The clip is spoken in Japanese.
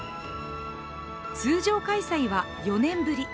通常開催は４年ぶり。